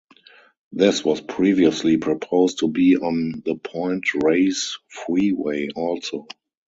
This was previously proposed to be on the Point Reyes Freeway also.